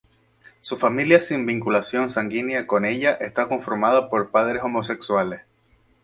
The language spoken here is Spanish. Su familia sin vinculación sanguínea con ella está conformada por padres homosexuales.